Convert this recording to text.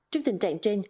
trước tình trạng trên